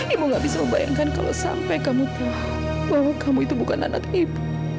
ibu gak bisa membayangkan kalau sampai kamu paham bahwa kamu itu bukan anak ibu